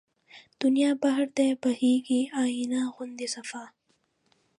دنيا بحر دی بهيږي آينه غوندې صفا